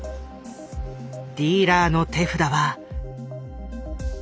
ディーラーの手札は。